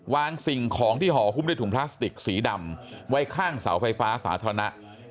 สิ่งของที่ห่อหุ้มด้วยถุงพลาสติกสีดำไว้ข้างเสาไฟฟ้าสาธารณะ